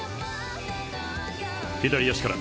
左足から。